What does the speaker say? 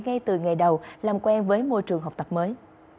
ngay từ ngày đầu làm quen với môi trường học tập mới